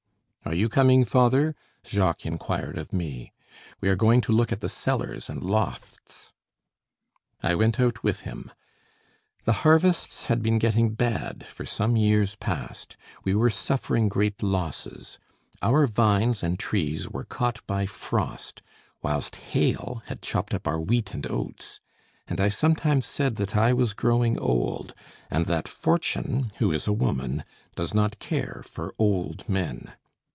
"Are you coming, father?" Jacques inquired of me. "We are going to look at the cellars and lofts." I went out with him. The harvests had been getting bad for some years past. We were suffering great losses: our vines and trees were caught by frost, whilst hail had chopped up our wheat and oats. And I sometimes said that I was growing old, and that fortune, who is a woman, does not care for old men.